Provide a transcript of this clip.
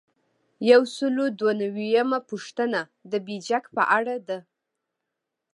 یو سل او دوه نوي یمه پوښتنه د بیجک په اړه ده.